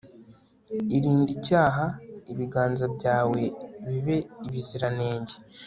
irinde icyaha, ibiganza byawe bibe ibiziranenge